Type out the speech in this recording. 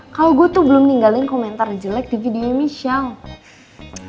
kalo gue tuh belum ninggalin komentar jelek di videonya michelle